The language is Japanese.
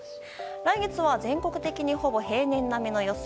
来月は全国的にほぼ平年並みの予想。